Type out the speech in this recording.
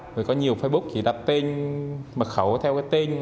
với có nhiều facebook thì đặt tên mật khẩu theo cái tên